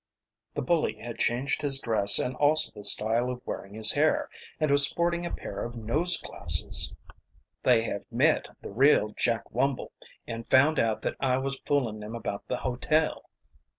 The bully had changed his dress and also the style of wearing his hair, and was sporting a pair of nose glasses. "They have met the real Jack Wumble, and found out that I was fooling them about the hotel."